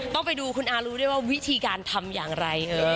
ต้องไปดูคุณอารู้ด้วยว่าวิธีการทำอย่างไร